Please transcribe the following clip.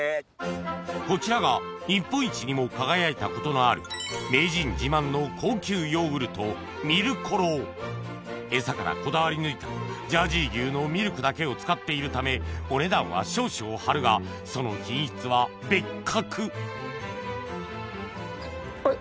こちらが日本一にも輝いたことのある名人自慢の高級ヨーグルトエサからこだわり抜いたジャージー牛のミルクだけを使っているためお値段は少々張るがその品質は別格あれ？